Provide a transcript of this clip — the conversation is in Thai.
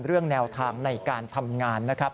เรื่องแนวทางในการทำงานนะครับ